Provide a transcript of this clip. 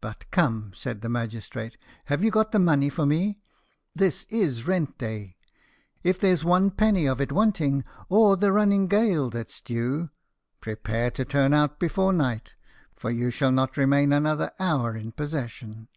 "But, come," said the magistrate; "have you got the money for me? this is rent day. If there's one penny of it wanting, or the running gale that's due, prepare to turn out before night, for you shall not remain another hour in possession.